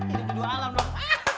itu kedua alam bang